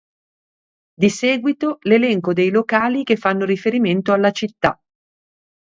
Di seguito l'elenco dei locali che fanno riferimento alla "Città".